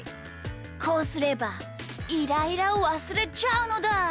こうすればイライラをわすれちゃうのだ！